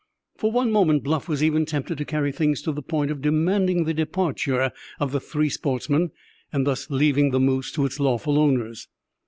For one moment Bluff was even tempted to carry things to the point of demanding the departure of the three sportsmen, and thus leaving the moose to its lawful owners.